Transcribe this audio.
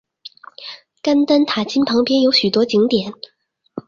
甘丹塔钦旁边有许多景点。